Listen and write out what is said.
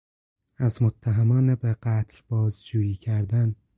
از متهمان به قتل بازجویی کردن